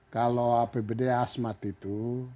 kalau apbd asmat itu